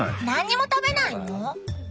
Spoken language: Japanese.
何にも食べないの？